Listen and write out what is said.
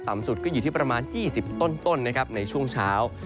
ต่ำสุดก็อยู่ที่ประมาณ๒๐ต้นในช่วงเช้า